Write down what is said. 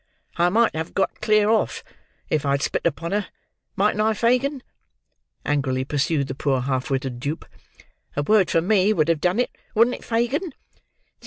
"I might have got clear off, if I'd split upon her; mightn't I, Fagin?" angrily pursued the poor half witted dupe. "A word from me would have done it; wouldn't it, Fagin?"